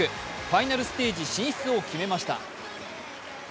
ファイナルステージ進出を決めました。